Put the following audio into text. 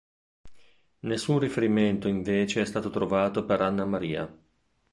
Nessun riferimento invece è stato trovato per Anna Maria.